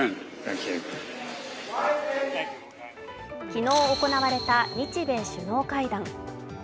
昨日行われた日米首脳会談。